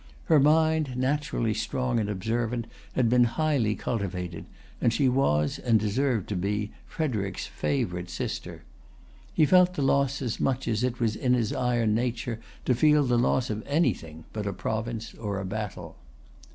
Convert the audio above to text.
Her mind, naturally strong and observant, had been highly cultivated; and she was, and deserved to be, Frederic's favorite sister. He felt the loss as much as it was in his iron nature to feel the loss of anything but a province or a battle.